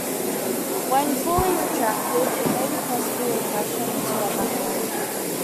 When fully retracted it may be possible to attach them to a backpack.